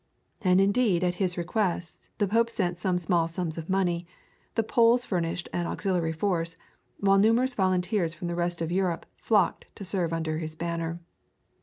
And indeed at his request the Pope sent some small sums of money, the Poles furnished an auxiliary force, while numerous volunteers from the rest of Europe flocked to serve under his banner.